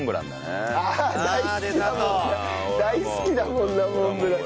大好きだもんなモンブラン。